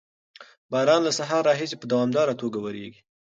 باران له سهار راهیسې په دوامداره توګه ورېږي.